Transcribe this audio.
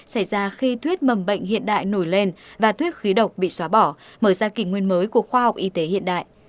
xảy ra khi thuyết mầm bệnh hiện đại nổi lên và thuyết khí độc bị xóa bỏ mở ra kỷ nguyên mới của khoa học y tế hiện đại